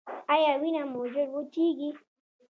ایا وینه مو ژر وچیږي؟